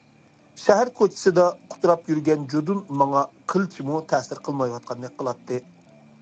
شەھەر كوچىسىدا قۇتراپ يۈرگەن جۇدۇن ماڭا قىلچىمۇ تەسىر قىلمايۋاتقاندەك قىلاتتى.